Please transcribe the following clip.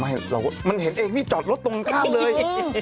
ไม่มันเห็นพี่จอดรถตรงข้ามเลย